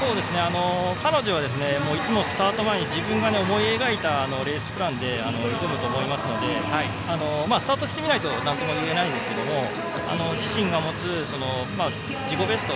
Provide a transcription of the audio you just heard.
彼女はいつもスタート前に自分が思い描いたレースプランで挑むと思いますのでスタートしてみないとなんとも言えないですけど自身が持つ自己ベスト。